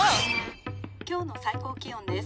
「今日の最高気温です。